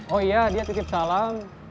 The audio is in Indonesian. oh iya dia titip salam